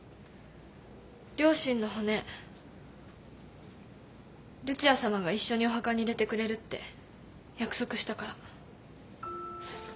両親の骨ルチアさまが一緒にお墓に入れてくれるって約束したから。